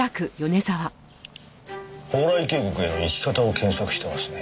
蓬莱渓谷への行き方を検索してますね。